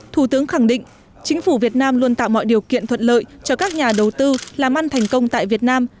thủ tướng khẳng định chính phủ việt nam luôn tạo mọi điều kiện thuận lợi cho các nhà đầu tư làm ăn thành công tại việt nam